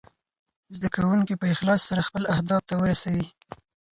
زده کونکي په اخلاص سره خپل اهداف ته ورسوي.